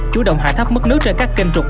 chủ động hạ thấp mức nước trên các kênh trục